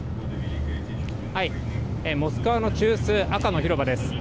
モスクワの中枢、赤の広場です。